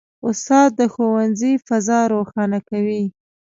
استاد د ښوونځي فضا روښانه کوي.